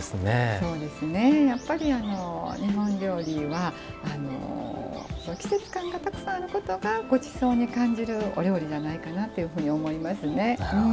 そうですね、日本料理は季節感がたくさんあることがごちそうに感じるお料理じゃないかなと思いますね。